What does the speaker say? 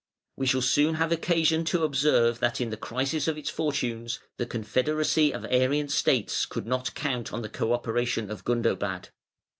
We shall soon have occasion to observe that in the crisis of its fortunes the confederacy of Arian states could not count on the co operation of Gundobad.